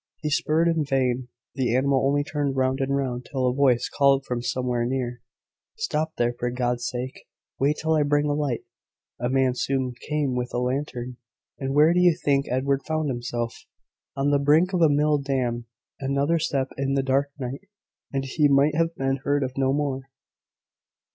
He spurred in vain; the animal only turned round and round, till a voice called from somewhere near, `Stop there, for God's sake! Wait till I bring a light.' A man soon came with a lantern, and where do you think Edward found himself? On the brink of a mill dam! Another step in the dark night, and he might have been heard of no more!"